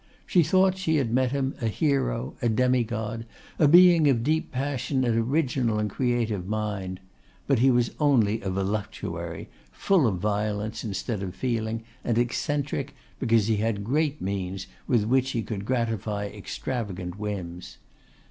She thought she had met in him a hero, a demi god, a being of deep passion and original and creative mind; but he was only a voluptuary, full of violence instead of feeling, and eccentric, because he had great means with which he could gratify extravagant whims.